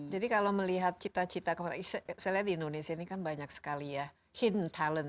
jadi kalau melihat cita cita saya lihat di indonesia ini kan banyak sekali ya hidden talent